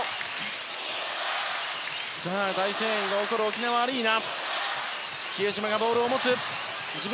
大声援が起こる沖縄アリーナ。